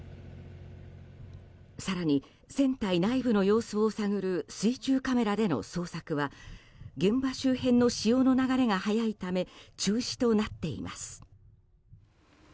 更に船体内部の様子を探る水中カメラでの捜索は現場周辺の潮の流れが速いため中止となっています。